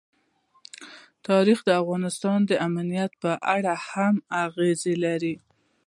تاریخ د افغانستان د امنیت په اړه هم اغېز لري.